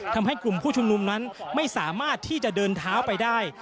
ทำให้กลุ่มผู้ชุมนุมนั้นไม่สามารถที่จะเดินเท้าไปได้